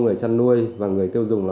người chăn nuôi và người tiêu dùng